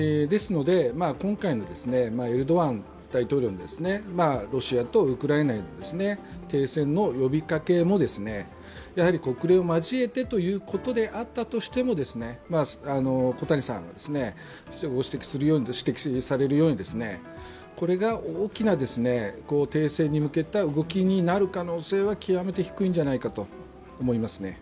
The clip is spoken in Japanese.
今回のエルドアン大統領のロシアとウクライナの停戦の呼びかけも国連を交えてということであったとしても小谷さんがご指摘されるように、これが大きな停戦に向けた動きになる可能性は極めて低いんじゃないかと思いますね。